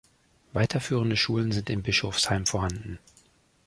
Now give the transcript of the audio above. Weiterführende Schulen sind in Bischofsheim vorhanden.